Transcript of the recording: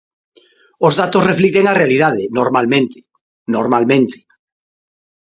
Os datos reflicten a realidade, normalmente; normalmente.